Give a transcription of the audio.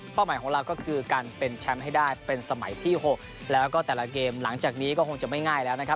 หมายของเราก็คือการเป็นแชมป์ให้ได้เป็นสมัยที่๖แล้วก็แต่ละเกมหลังจากนี้ก็คงจะไม่ง่ายแล้วนะครับ